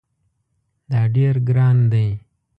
دا ډیر ګران دی